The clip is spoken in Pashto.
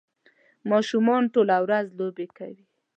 ماشومان ټوله ورځ لوبې کوي